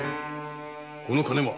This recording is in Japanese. この金は！？